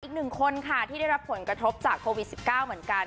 อีกหนึ่งคนค่ะที่ได้รับผลกระทบจากโควิด๑๙เหมือนกัน